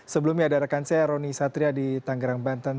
sebelumnya ada rekan saya roni satria di tanggerang banten